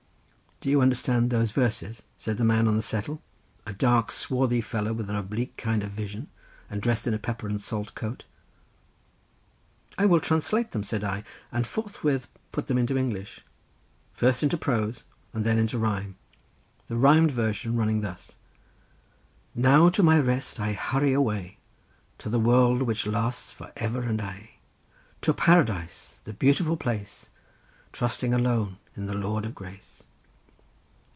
"Do you understand those verses?" said the man on the settle, a dark swarthy fellow with an oblique kind of vision, and dressed in a pepper and salt coat. "I will translate them," said I; and forthwith put them into English—first into prose and then into rhyme, the rhymed version running thus:— "'Now to my rest I hurry away, To the world which lasts for ever and aye, To Paradise, the beautiful place, Trusting alone in the Lord of Grace.